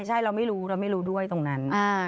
ใช่เราไม่รู้ด้วยตรงนั้น